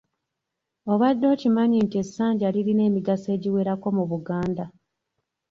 Obadde okimanyi nti essanja lirina emigaso egiwerako mu Buganda.